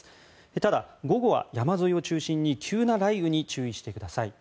ただ、午後は山沿いを中心に急な雷雨に注意してください。